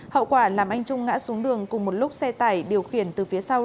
hậu quả làm anh trung ngã xuống đường cùng một lúc xe tải điều khiển từ phía sau